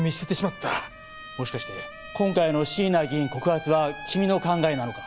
もしかして今回の椎名議員告発は君の考えなのか？